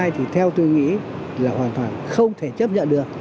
thì theo tôi nghĩ là hoàn toàn không thể chấp nhận được